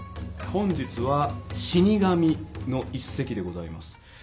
本日は「死神」の一席でございます。